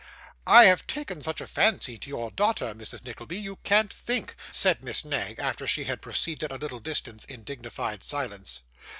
'I have taken such a fancy to your daughter, Mrs. Nickleby, you can't think,' said Miss Knag, after she had proceeded a little distance in dignified silence.